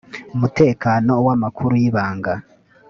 mutekano w amakuru y ibanga